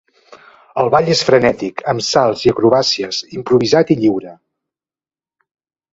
El ball és frenètic, amb salts i acrobàcies, improvisat i lliure.